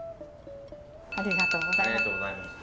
ありがとうございます。